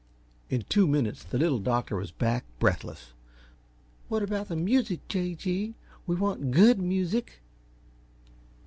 In two minutes the Little Doctor was back, breathless. "What about the music, J. G.? We want GOOD music."